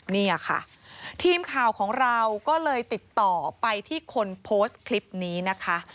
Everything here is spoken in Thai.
เนี่ยค่ะทีมข่าวของเราก็เลยติดต่อไปที่คนโพสต์คลิปนี้นะคะ